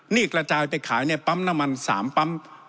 นี่กระจายไปขายในปั๊มน้ำมัน๓ปั๊ม